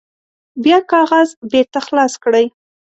بیا کاغذ بیرته خلاص کړئ.